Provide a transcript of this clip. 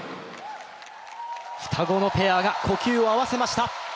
双子のペアが呼吸を合わせました。